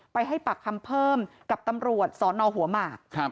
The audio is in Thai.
ไปให้ปากคำเพิ่มกับตำรวจสนหัวหมาก